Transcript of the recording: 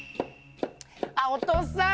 あっお父さん！